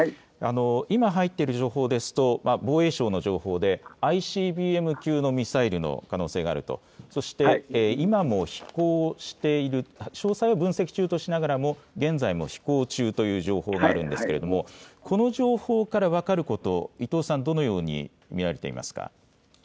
今、入ってる情報ですと防衛省の情報でＩＣＢＭ級のミサイルの可能性があると、そして今も飛行をしていると、詳細は分析中としながらも現在も飛行中という情報があるんですけれどこの情報から分かること、伊藤さん、どのように見られていますか。